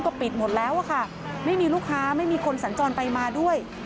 ก็ปิดหมดแล้วอะค่ะไม่มีลูกค้าไม่มีคนสัญจรไปมาด้วย